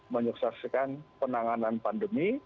menyukseskan penanganan pandemi